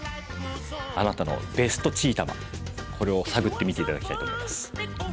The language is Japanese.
あなたのベストチーたまこれを探ってみて頂きたいと思います。